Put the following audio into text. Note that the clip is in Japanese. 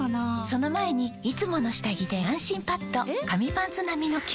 その前に「いつもの下着で安心パッド」え？！